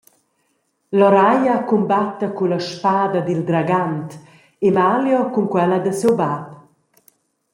Loraia cumbatta culla spada dil dragant, Emalio cun quella da siu bab.